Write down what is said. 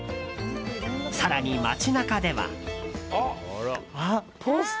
更に、町中では。